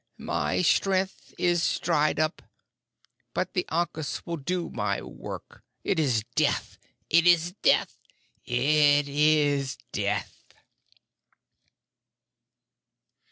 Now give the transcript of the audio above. My strength is dried up, but the ankus will do my work. It is Death! It is Death! It is Death!"